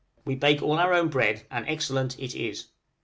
We bake all our own bread, and excellent it is.